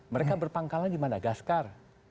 mereka berpangkalan di madagaskar